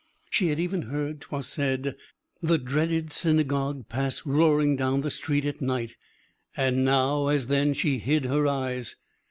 She had even heard, 'twas said, the dreaded "synagogue" pass roaring down the street at night, and now, as then, she hid her eyes.